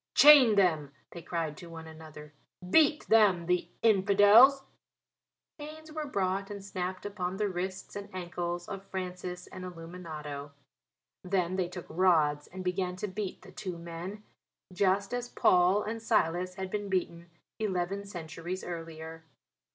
"Chain them," they cried to one another. "Beat them the infidels." Chains were brought and snapped upon the wrists and ankles of Francis and Illuminato. Then they took rods and began to beat the two men just as Paul and Silas had been beaten eleven centuries earlier.